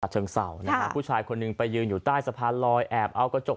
กิจห้าเทวงเส้าน์ผู้ชายคนหนึ่งไปยืนอยู่ใต้สะพานลอยแอบเอากระจก